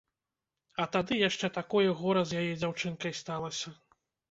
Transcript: А тады яшчэ такое гора з яе дзяўчынкай сталася.